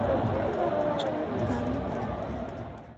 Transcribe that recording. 周盘龙人。